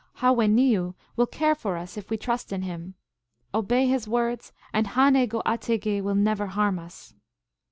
Ha wen ni yu will care for us if we trust in him. Obey his words, and Ha ne go ate geh will never harm us.